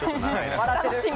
笑ってる。